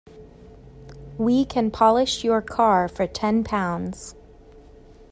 We can polish your car for ten pounds.